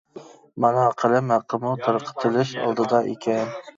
مانا قەلەم ھەققىمۇ تارقىتىلىش ئالدىدا ئىكەن.